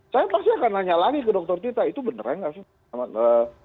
saya pasti akan nanya lagi ke dokter tita itu beneran nggak sih